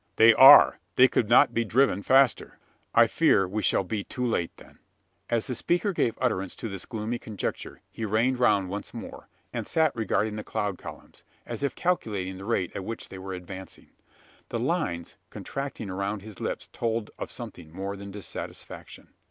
"They are: they could not be driven faster." "I fear we shall be too late, then!" As the speaker gave utterance to this gloomy conjecture, he reined round once more; and sate regarding the cloud columns as if calculating the rate at which they were advancing. The lines, contracting around his lips, told of something more than dissatisfaction.